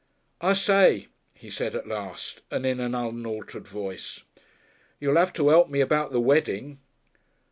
"I say," he said, at last, and in an unaltered voice, "you'll 'ave to 'elp me about the wedding."